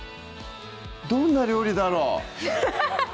どんな料理だろう？